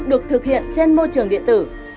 được thực hiện trên môi trường điện tử